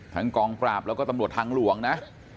ทั้งกองปราบก็ตำรวจทางหลวงนะ